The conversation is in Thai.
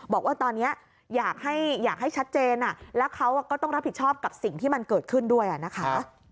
บอกว่าตอนนี้อยากให้ชัดเจนแล้วเขาก็ต้องรับผิดชอบกับสิ่งที่มันเกิดขึ้นด้วยนะคะ